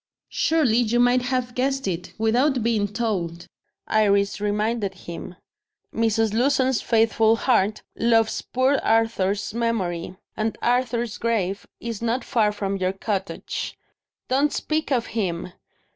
"Surely you might have guessed it, without being told," Iris reminded him. "Mrs. Lewson's faithful heart loves poor Arthur's memory and Arthur's grave is not far from your cottage." "Don't speak of him!"